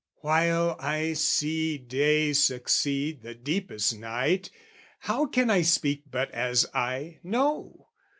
While I see day succeed the deepest night How can I speak but as I know?